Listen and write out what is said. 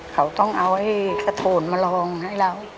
เขาต้องเอาไอ้กระโถนมาลองให้เรา